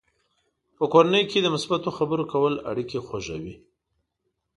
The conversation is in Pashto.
په کورنۍ کې د مثبتو خبرو کول اړیکې خوږوي.